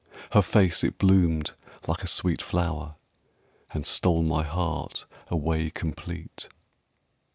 Her face it bloomed like a sweet flower And stole my heart away complete.